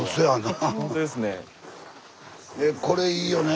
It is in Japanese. えこれいいよね